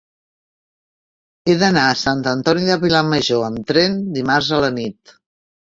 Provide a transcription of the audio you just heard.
He d'anar a Sant Antoni de Vilamajor amb tren dimarts a la nit.